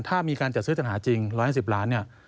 ถ้ามีการจัดซื้อจัดหาจริง๑๕๐ล้านเนี่ย